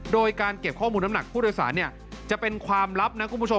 โดยการเก็บข้อมูลน้ำหนักผู้โดยสารจะเป็นความลับนะคุณผู้ชม